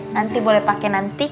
nanti boleh pake nanti